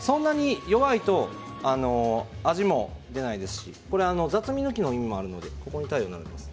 弱いと味が出ないですし雑味を抜く意味もあるのでここに鯛を載せます。